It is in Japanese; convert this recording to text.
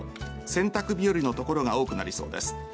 洗濯日和の所が多くなりそうです。